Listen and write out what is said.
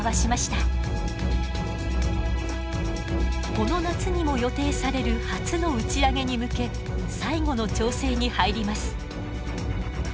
この夏にも予定される初の打ち上げに向け最後の調整に入ります。